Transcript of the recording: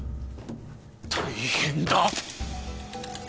大変だ！